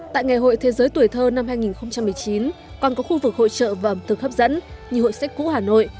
tại ngày hội thế giới tuổi thơ năm hai nghìn một mươi chín còn có khu vực hội trợ và ẩm thực hấp dẫn như hội sách cũ hà nội